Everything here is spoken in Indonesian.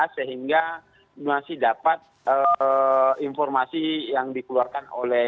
sehingga masih dapat informasi yang dikeluarkan oleh